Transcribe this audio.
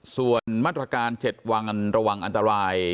ส่วนมาตรการ๗วันระวังอันตราย